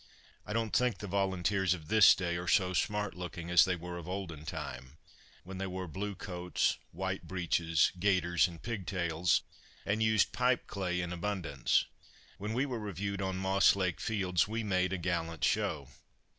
I don't think the volunteers of this day are so smart looking as they were of olden time, when they wore blue coats, white breeches, gaiters and pig tails, and used pipe clay in abundance. When we were reviewed on Moss Lake Fields we made a gallant show.